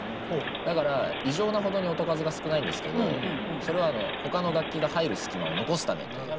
だから異常なほどに音数が少ないんですけどそれはほかの楽器が入る隙間を残すためという。